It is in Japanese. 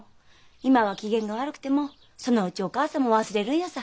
今は機嫌が悪くてもそのうちお母さんも忘れるんやさ。